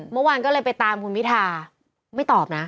เมื่อวานก็เลยไปตามคุณพิทาไม่ตอบนะ